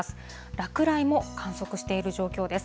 落雷も観測している状況です。